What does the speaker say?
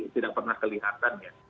tidak pernah kelihatan ya